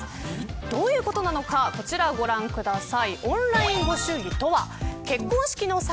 どういうことなのかこちらをご覧ください。